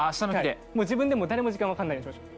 もう自分でも誰も時間分かんないようにしましょう。